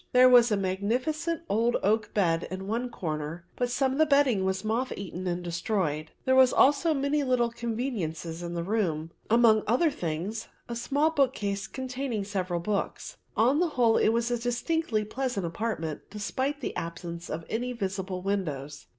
There was a magnificent old oak bed in one corner but some of the bedding was moth eaten and destroyed. There were also many little conveniences in the room, amongst other things a small book case containing several books. On the whole it was a distinctly pleasant apartment despite the absence of any visible windows.